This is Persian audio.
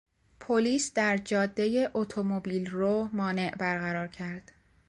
پلیس در جادهی اتومبیل رو مانع برقرار کرد.